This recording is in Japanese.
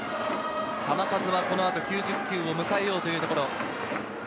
球数はこのあと９０球を迎えようというところ。